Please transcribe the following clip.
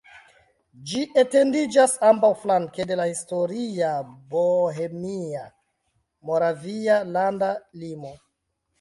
Ĝi etendiĝas ambaŭflanke de la historia bohemia-moravia landa limo.